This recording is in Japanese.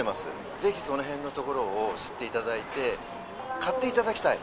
ぜひそのへんのところを知っていただいて、買っていただきたい。